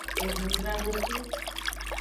Ehunjradoxu.